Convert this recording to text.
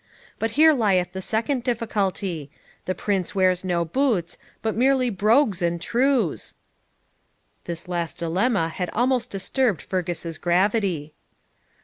But here lieth the second difficulty the Prince wears no boots, but simply brogues and trews.' This last dilemma had almost disturbed Fergus's gravity.